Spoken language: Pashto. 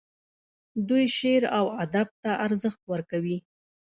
دوی شعر او ادب ته ارزښت ورکوي.